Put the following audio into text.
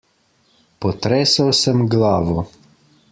Potresel sem glavo.